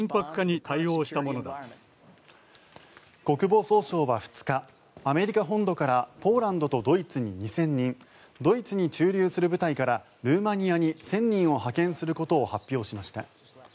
国防総省は２日アメリカ本土からポーランドとドイツに２０００人ドイツに駐留する部隊からルーマニアに１０００人を派遣することを発表しました。